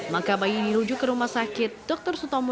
maka bayi dirujuk ke rumah sakit dr sutomo